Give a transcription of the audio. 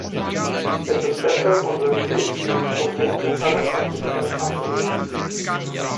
Es ist deshalb unsere Pflicht, dieses Problem mit aller Konsequenz anzugehen.